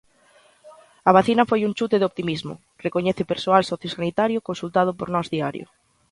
"A vacina foi un chute de optimismo", recoñece persoal sociosanitario consultado por Nós Diario.